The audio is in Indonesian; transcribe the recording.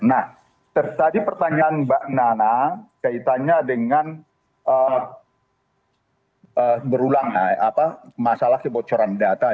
nah tadi pertanyaan mbak nana kaitannya dengan berulang masalah kebocoran data